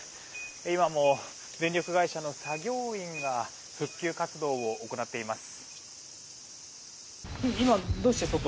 今も電力会社の作業員が復旧活動を行っています。